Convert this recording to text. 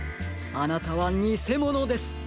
あなたはにせものです！